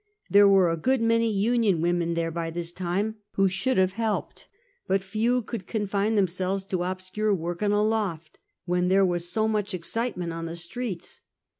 There were a good many Union women there by this time, who should have helped, but few could confine themselves to obscure work in a loft, when there was so much excitement on the streets.